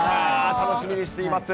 楽しみにしています。